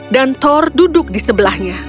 dan thor duduk di sebelahnya